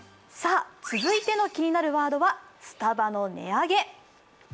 続いての気になるワードはスタバの値上げ。